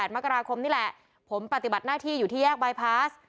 มกราคมนี่แหละผมปฏิบัติหน้าที่อยู่ที่แยกบายพาส